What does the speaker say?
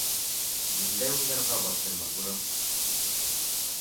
— Ниндәй уйҙарға баттың, матурым?